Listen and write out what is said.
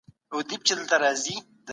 لس منفي شپږ؛ څلور کېږي.